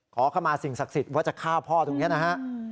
ขอเข้ามาสิ่งศักดิ์สิทธิ์ว่าจะฆ่าพ่อตรงนี้นะฮะ